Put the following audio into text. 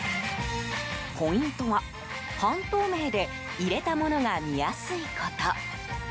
ポイントは、半透明で入れた物が見やすいこと。